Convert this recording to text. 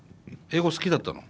英語好きだったの？